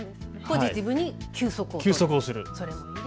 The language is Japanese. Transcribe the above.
ポジティブに休息をする。